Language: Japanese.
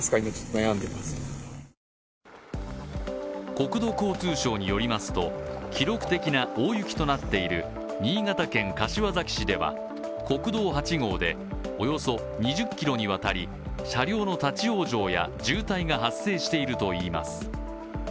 国土交通省によりますと、記録的な大雪となっている新潟県柏崎市では国道８号でおよそ２０ｋｍにわたり、車両の立ち往生や渋滞が発生しているといいます。